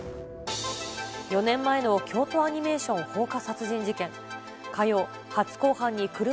４年前の京都アニメーション放火